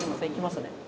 いきますね。